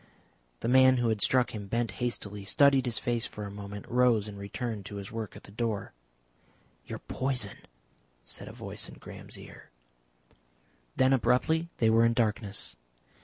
The man who had struck him bent hastily, studied his face for a moment, rose, and returned to his work at the door. "Your poison!" said a voice in Graham's ear. Then abruptly they were in darkness.